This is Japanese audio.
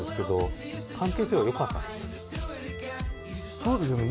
そうですね。